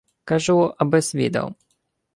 — Кажу, аби-с відав.